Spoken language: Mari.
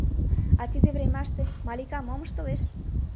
А тиде времаште Малика мом ыштылеш?